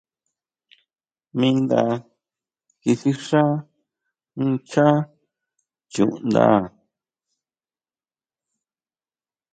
Mi nda kisixá nchá chuʼnda.